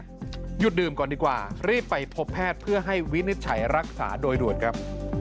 หยุดดื่มก่อนดีกว่ารีบไปพบแพทย์เพื่อให้วินิจฉัยรักษาโดยด่วนครับ